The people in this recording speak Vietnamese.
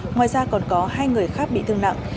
ngoài ra còn có hai người khác bị thương nặng